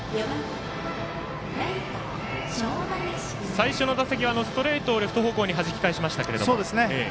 最初の打席はストレートをレフト方向にはじき返しました。